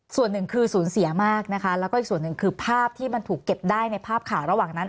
ส่วนหนึ่งคือสูญเสียมากนะคะแล้วก็อีกส่วนหนึ่งคือภาพที่มันถูกเก็บได้ในภาพข่าวระหว่างนั้น